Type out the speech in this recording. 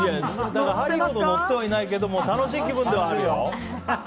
ハリーほど乗ってはないけど楽しい気分ではあるよ。